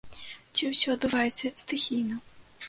Ці ўсё адбываецца стыхійна?